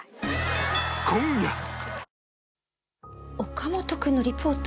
岡本君のリポート？